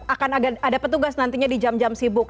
akan ada petugas nantinya di jam jam sibuk